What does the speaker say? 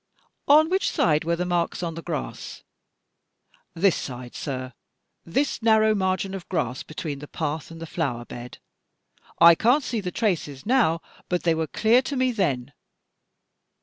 " On which side were the marks on the grass?" "This side, sir. This narrow margin of grass between the path and the flower bed. I can't see the traces now, but they were dear to me then."